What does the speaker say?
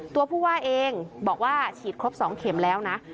ตัวผู้ว่าเองบอกว่าฉีดครบ๒เข็มแล้วนะ